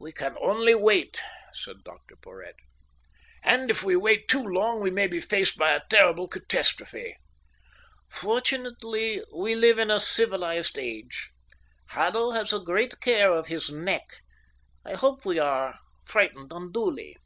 "We can only wait," said Dr Porhoët. "And if we wait too long, we may be faced by a terrible catastrophe." "Fortunately we live in a civilized age. Haddo has a great care of his neck. I hope we are frightened unduly."